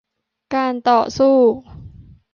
การต่อสู้